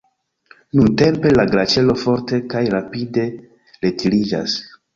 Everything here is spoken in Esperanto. Nuntempe la glaĉero forte kaj rapide retiriĝas.